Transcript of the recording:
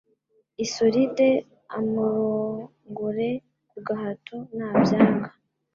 Isolde amurongore kugahato nabyanga